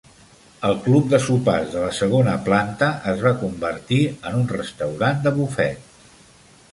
El club de sopars de la segona planta es va convertir en un restaurant de bufet.